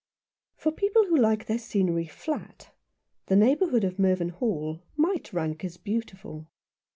FOR people who like their scenery flat the neigh bourhood of Mervynhall might rank as beautiful.